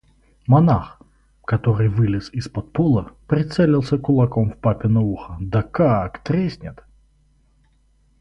Монах, который вылез из-под пола, прицелился кулаком в папино ухо, да как треснет!